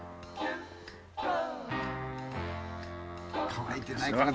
乾いてないかな？